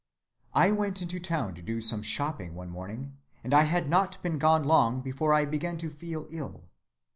"I went into town to do some shopping one morning, and I had not been gone long before I began to feel ill.